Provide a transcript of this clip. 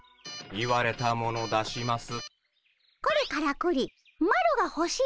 言われたもの出します。